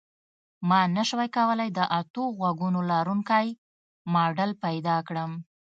ما نشوای کولی د اتو غوږونو لرونکی ماډل پیدا کړم